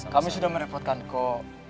kami sudah merepotkan kau